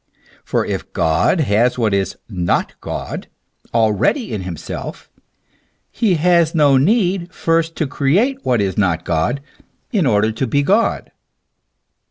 For if God has what is not God, already in himself, he has no need first to create what is not God in order to be God.